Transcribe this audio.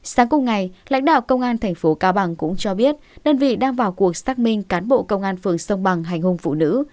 sáng cùng ngày lãnh đạo công an tp cao bằng cũng cho biết đơn vị đang vào cuộc xác minh cán bộ công an phường sông bằng hành hung phụ nữ